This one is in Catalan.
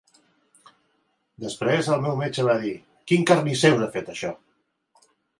Després, el meu metge va dir: "Quin carnisser us ha fet això?".